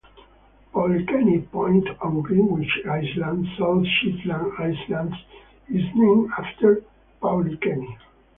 Pavlikeni Point on Greenwich Island, South Shetland Islands is named after Pavlikeni.